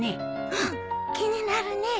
うん気になるね。